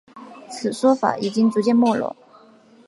此说法已经逐渐没落。